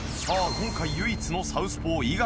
今回唯一のサウスポー猪狩